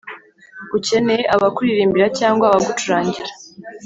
ukeneye abakuririmbira cyangwa abagucurangira